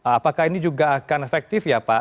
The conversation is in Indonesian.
apakah ini juga akan efektif ya pak